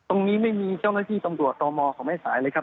ตรงนี้ไม่มีเจ้าหน้าที่ตำรวจตรมของให้สายเลยครับ